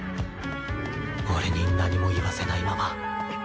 俺に何も言わせないまま